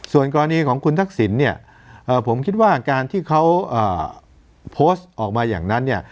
ส่วนกรณีของคุณทักษิณเนี่ยผมคิดว่าการที่เขาโพสต์ออกมาอย่างนั้นเนี่ย